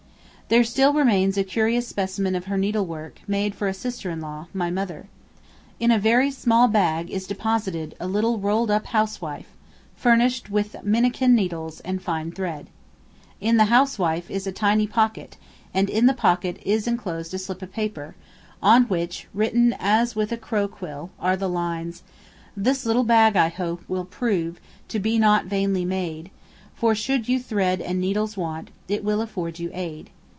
There still remains a curious specimen of her needlework made for a sister in law, my mother. In a very small bag is deposited a little rolled up housewife, furnished with minikin needles and fine thread. In the housewife is a tiny pocket, and in the pocket is enclosed a slip of paper, on which, written as with a crow quill, are these lines: This little bag, I hope, will prove To be not vainly made; For should you thread and needles want, It will afford you aid.